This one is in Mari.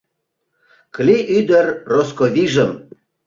Кли ӱдыр Росковижым